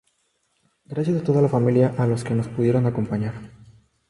Gracias a toda la familia, a los que nos pudieron acompañar.